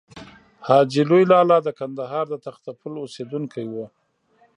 حاجي لوی لالا د کندهار د تختې پل اوسېدونکی و.